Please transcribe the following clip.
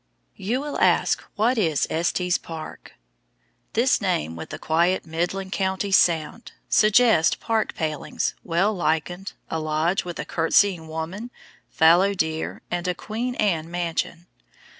You will ask, "What is Estes Park?" This name, with the quiet Midland Countries' sound, suggests "park palings" well lichened, a lodge with a curtseying woman, fallow deer, and a Queen Anne mansion.